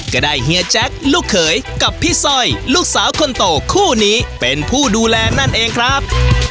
เฮียแจ็คลูกเขยกับพี่สร้อยลูกสาวคนโตคู่นี้เป็นผู้ดูแลนั่นเองครับ